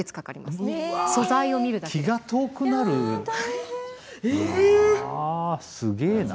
すげえな。